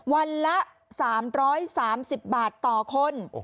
วันละ๓๓๐บาทต่อคน